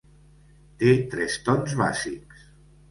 Té tres tons bàsics.